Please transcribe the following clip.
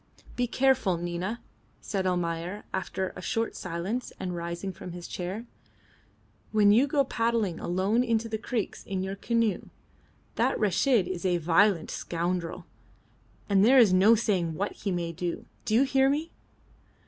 "Be careful, Nina," said Almayer, after a short silence and rising from his chair, "when you go paddling alone into the creeks in your canoe. That Reshid is a violent scoundrel, and there is no saying what he may do. Do you hear me?"